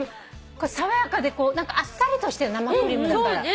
これ爽やかであっさりとしてる生クリームだから。